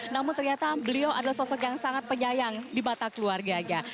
namun ternyata beliau adalah sosok yang sangat penyayang di mata keluarganya